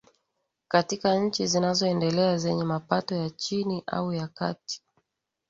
katika nchi zinazoendelea zenye mapato ya chini au ya kati